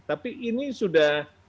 tapi ini sudah